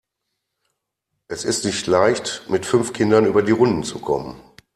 Es ist nicht leicht, mit fünf Kindern über die Runden zu kommen.